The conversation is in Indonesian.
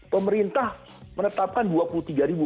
pemerintah menetapkan rp dua puluh tiga